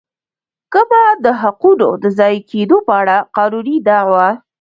کمه د حقونو د ضایع کېدو په اړه قانوني دعوه.